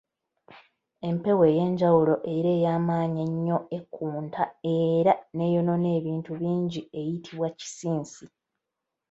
Empewo ey’enjawulo era ey’amaanyi ennyo ekunta era n’eyonoonya ebintu bingi eyitibwa Kisinsi.